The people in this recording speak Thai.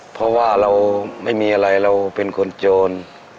เพราะว่าเราไม่มีอะไรเราเป็นคนโจร